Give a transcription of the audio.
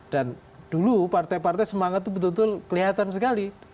dan dulu partai partai semangat itu betul betul kelihatan sekali